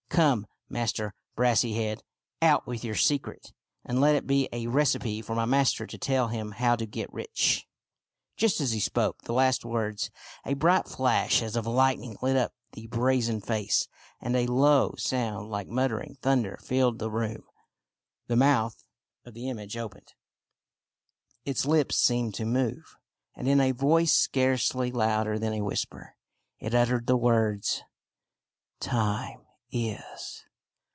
Come, Master Brassy head, out with your secret ! And let it be a recipe for my master to tell him how to get rich." Just as he spoke the last words a bright flash as 78 THIRTY MORE FAMOUS STORIES of lightning lit up the brazen face, and a low sound like muttering thunder filled the room. The mouth of the image opened, its lips seemed to move, and in a voice scarcely louder than a whisper, it uttered the words —" Time is